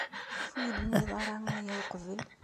Maɣef ur iyi-d-tennid aya uqbel?